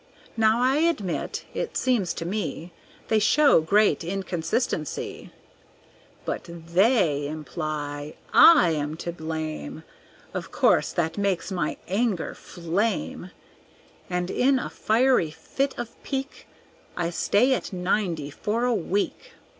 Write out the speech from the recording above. Now I admit it seems to me They show great inconsistency. But they imply I am to blame; Of course that makes my anger flame, And in a fiery fit of pique I stay at ninety for a week.